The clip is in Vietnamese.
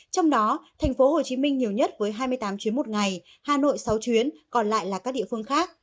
trong đó thành phố hồ chí minh nhiều nhất với hai mươi tám chuyến một ngày hà nội sáu chuyến còn lại là các địa phương khác